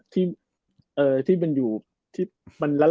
ที่มันล้านร้านแล้วมันมีด้านอื่น